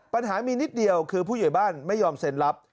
ปัญหามีนิดเดียวคือผู้ใหญ่บ้านไม่ยอมเซ็นรับ